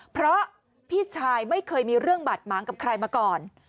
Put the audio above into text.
เพราะพี่ชายไม่เคยมีเรื่องบาดหมางกับใครมาก่อน